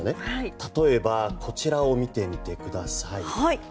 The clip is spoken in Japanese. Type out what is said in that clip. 例えばこちらを見てみてください。